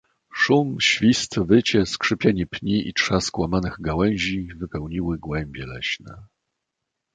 "Szum, świst, wycie, skrzypienie pni i trzask łamanych gałęzi wypełniły głębie leśne."